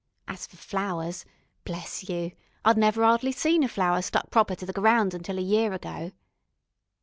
As for flowers bless you, I'd never 'ardly seen a flower stuck proper to the ground until a year ago.